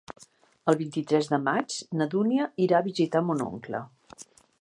El vint-i-tres de maig na Dúnia irà a visitar mon oncle.